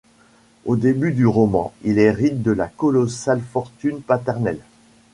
Au début du roman, il hérite de la colossale fortune paternelle.